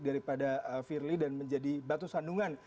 daripada firly dan menjadi batu sandungan